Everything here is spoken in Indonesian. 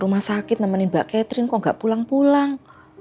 rumah sakit nemenin mbak catherine kok gak pulang pulang